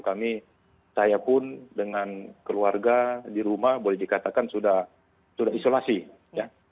kami saya pun dengan keluarga di rumah boleh dikatakan sudah isolasi ya